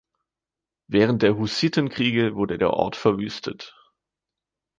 Während der Hussitenkriege wurde der Ort verwüstet.